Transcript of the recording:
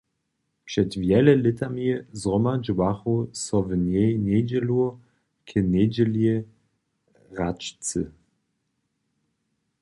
Před wjele lětami zhromadźowachu so w njej njedźelu k njedźeli hračcy.